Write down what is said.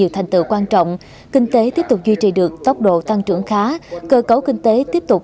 thành tựu quan trọng kinh tế tiếp tục duy trì được tốc độ tăng trưởng khá cơ cấu kinh tế tiếp tục